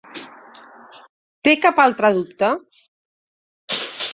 Té cap altre dubte?